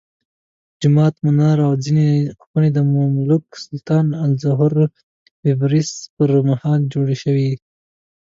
جومات، منار او ځینې خونې د مملوک سلطان الظاهر بیبرس پرمهال جوړې شوې.